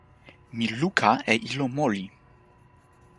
mi luka e ilo moli.